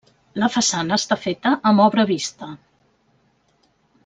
La façana està feta amb obra vista.